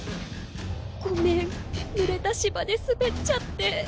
ごめんぬれた芝で滑っちゃって。